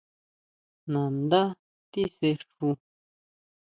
Nandá tisexu.